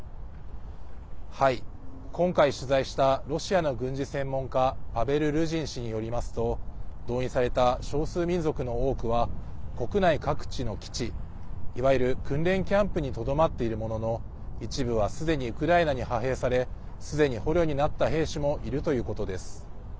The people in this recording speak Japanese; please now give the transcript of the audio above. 今回、取材したロシアの軍事専門家パベル・ルジン氏によりますと動員された少数民族の多くは国内各地の基地いわゆる訓練キャンプにとどまっているものの一部は、すでにウクライナに派兵されすでに捕虜になった兵士もいるということです。